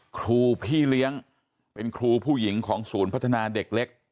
ครูพี่เลี้ยงเป็นครูผู้หญิงของศูนย์พัฒนาเด็กเล็ก